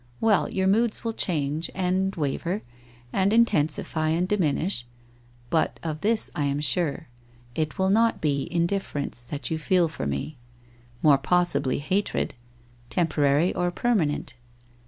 Well, your mood. will change, and waver, and intensify and diminish— bill of this I am snre, it will not be in difference, thai you feel fur me. Mure possibly hatred — temporary or permanent?'